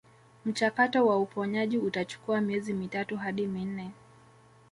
Mchakato wa uponyaji utachukua miezi mitatu hadi minne